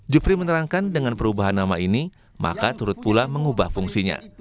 jufri menerangkan dengan perubahan nama ini maka turut pula mengubah fungsinya